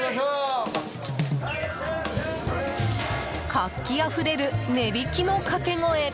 活気あふれる値引きのかけ声！